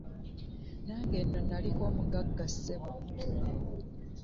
Nange nno naliko omugagga ssebo.